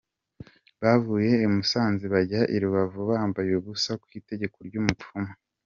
Bavuye i Musanze bajya i Rubavu bambaye ubusa ku itegeko ry’umupfumu.